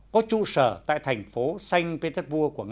có trụ sở tại thành phố sanh petersburg của nga